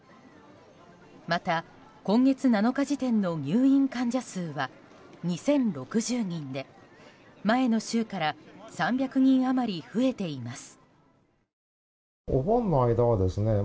また今月７日時点の入院患者数は２０６０人で前の週から３００人余り増えています。